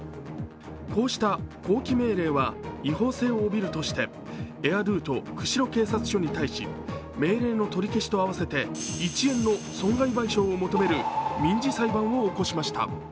こうした降機命令は違法性を帯びるとして、エアドゥと釧路警察署に対し、命令の取り消しと合わせて１円の損害賠償を求める民事裁判を起こしました。